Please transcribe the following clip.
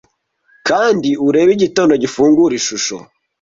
Kandi urebe igitondo gifungura Ishusho